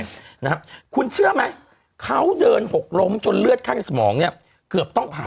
นะครับคุณเชื่อไหมเขาเดินหกล้มจนเลือดข้างในสมองเนี่ยเกือบต้องผ่า